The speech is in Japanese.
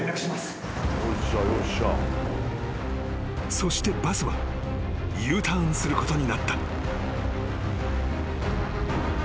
［そしてバスはＵターンすることになった］